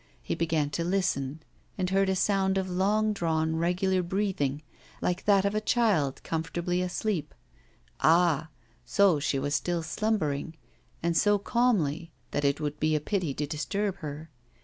He began to listen, and heard a sound of long drawn, regular breathing, like that of a child comfortably asleep. Ah! so she was still slumbering, and so calmly, that it would be a pity to disturb her.